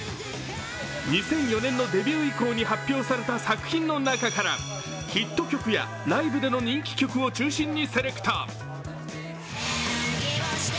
２００４年のデビュー以降に発表された作品の中からヒット曲やライブでの人気曲を中心にセレクト。